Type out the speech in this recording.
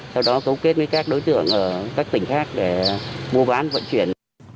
sau đó cấu kết với các đối tượng ở các tỉnh khác để mua bán vận chuyển